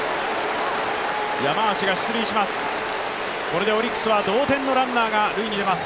山足が出塁します。